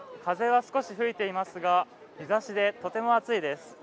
風は少し吹いていますが、日ざしでとても暑いです。